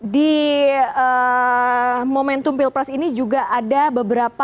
di momentum pilpres ini juga ada beberapa